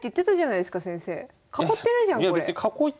囲ってるじゃんこれ。